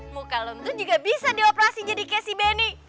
muka lo itu juga bisa dioperasi jadi kayak si benny